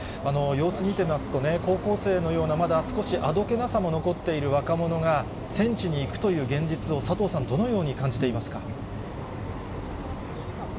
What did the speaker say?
様子見てますとね、高校生のような、まだ少しあどけなさも残っている若者が、戦地に行くという現実を、佐藤さん、どのように感じていますか。